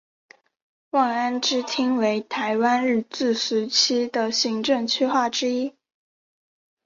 望安支厅为台湾日治时期的行政区划之一。